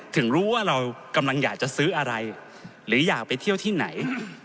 ถึงรู้ว่าเรากำลังอยากจะซื้ออะไรหรืออยากไปเที่ยวที่ไหน